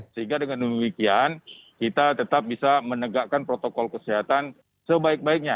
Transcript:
sehingga dengan demikian kita tetap bisa menegakkan protokol kesehatan sebaik baiknya